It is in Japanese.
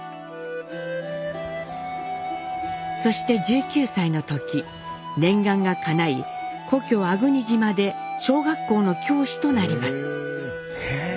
そして１９歳の時念願がかない故郷粟国島で小学校の教師となります。